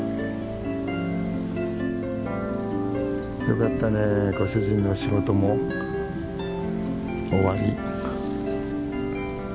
よかったねえご主人の仕事も終わり。